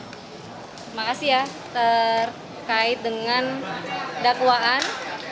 terima kasih ya terkait dengan dakwaan